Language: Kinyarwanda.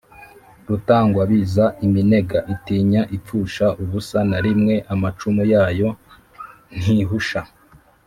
rutagwabiza iminega: itinya ipfusha ubusa na rimwe amacumu yayo: ntihusha